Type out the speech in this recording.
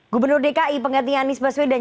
gubernur dki pengganti anies baswedan